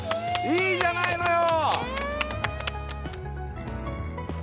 いいじゃないのよ！